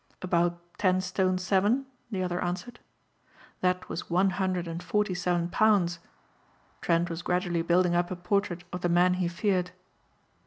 "About ten stone seven," the other answered. That was one hundred and forty seven pounds. Trent was gradually building up a portrait of the man he feared.